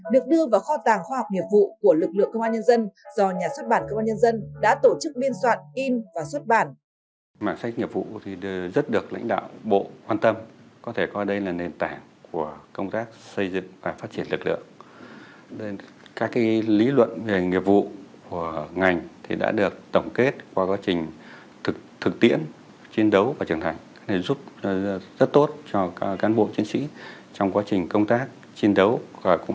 được đưa vào kho tàng khoa học nghiệp vụ của lực lượng công an nhân dân do nhà xuất bản công an nhân dân đã tổ chức biên soạn in và xuất bản